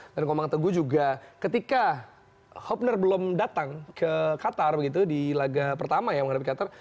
dan komang teguh juga ketika hopner belum datang ke qatar begitu di laga pertama ya menghadapi qatar